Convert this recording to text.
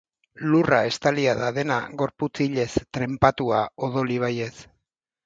Lurra estalia da dena gorputz hilez, trenpatua odol ibaiez.